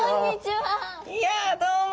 いやどうも。